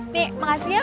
saya akan sudah jalan